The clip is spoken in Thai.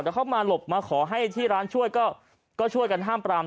แต่เข้ามาหลบมาขอให้ที่ร้านช่วยก็ช่วยกันห้ามปราม